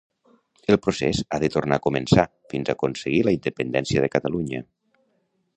El procés ha de tornar a començar fins a aconseguir la independència de Catalunya